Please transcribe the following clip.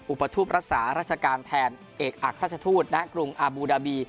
อุปทูปรักษาราชการแทนเอกอัครราชทูตณกรุงอาบูดาบี